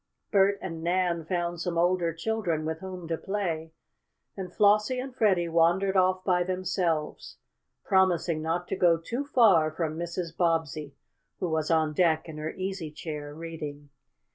Bert and Nan found some older children with whom to play, and Flossie and Freddie wandered off by themselves, promising not to go too far from Mrs. Bobbsey, who was on deck in her easy chair, reading.